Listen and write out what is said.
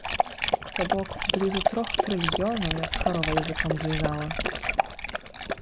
То бок блізу трох трыльёнаў як карова языком злізала.